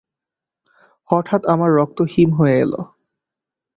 হঠাৎ আমার রক্ত হিম হয়ে এল।